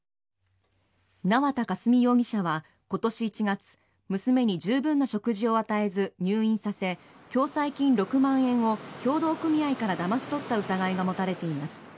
縄田佳純容疑者は今年１月娘に十分な食事を与えず入院させ共済金６万円を協同組合からだまし取った疑いが持たれています。